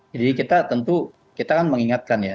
jadi kita tentu kita kan mengingatkan ya